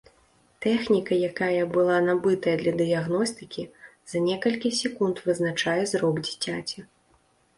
Тэхніка, якая была набытыя для дыягностыкі, за некалькі секунд вызначае зрок дзіцяці.